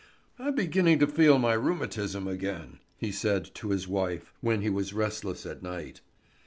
"I'm beginning to feel my rheumatism again," he said to his wife, when he was restless at night.